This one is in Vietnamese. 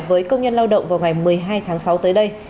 với công nhân lao động vào ngày một mươi hai tháng sáu tới đây